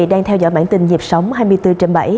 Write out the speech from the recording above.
đang theo dõi bản tin nhịp sống hai mươi bốn trên bảy